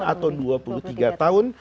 atau dua puluh tiga tahun